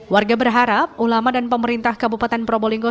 warga berharap ulama dan pemerintah kabupaten probolinggo